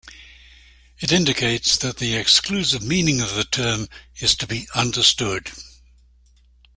It indicates that the exclusive meaning of the term is to be understood.